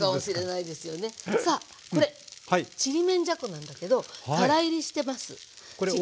さあこれちりめんじゃこなんだけどからいりしてます。